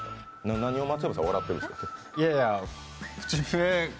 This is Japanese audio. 何を松山さん、笑ってるんですか？